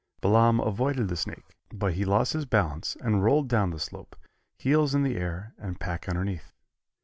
Balaam avoided the snake, but he lost his balance and rolled down the slope, heels in the air and pack underneath.